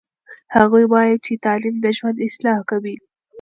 هغوی وایي چې تعلیم د ژوند اصلاح کوي.